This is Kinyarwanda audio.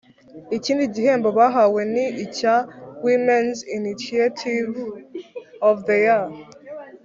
Ikindi gihembo bahawe ni icya Women’s initiative of the Year